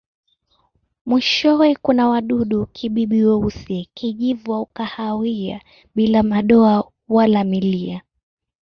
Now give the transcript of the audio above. Mwishowe kuna wadudu-kibibi weusi, kijivu au kahawia bila madoa wala milia.